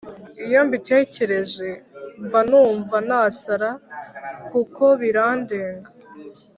iyo mbitekereje mbanumva nasara kuko birandenga